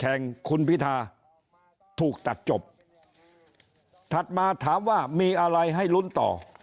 แห่งคุณพิธาถูกตัดจบถัดมาถามว่ามีอะไรให้ลุ้นต่อ